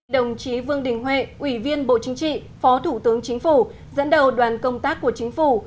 đồng chí vương đình huệ ủy viên bộ chính trị phó thủ tướng chính phủ dẫn đầu đoàn công tác của chính phủ